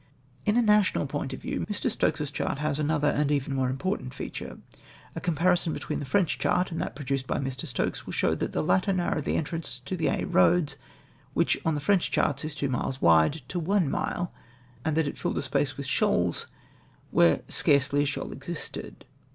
In a national point of view, Mr. Stokes's chart has another and even more important feature. A com parison between the French chart and that produced by Mr. Stokes will show that the latter narrowed the entrance to Aix Eoads — which on the French charts is two miles Avide — to one mile, and that it filled a space with shoals where scarcely a shoal existed.